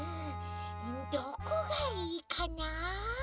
どこがいいかな？